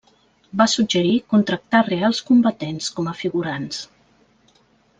Va suggerir contractar reals combatents com a figurants.